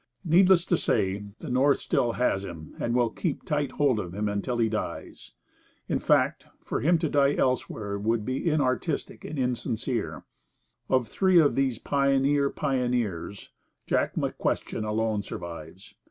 Needless to say, the North still has him and will keep tight hold of him until he dies. In fact, for him to die elsewhere would be inartistic and insincere. Of three of the "pioneer" pioneers, Jack McQuestion alone survives.